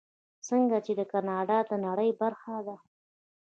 ځکه چې کاناډا د نړۍ برخه ده.